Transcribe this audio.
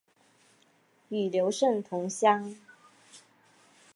与刘胜同乡。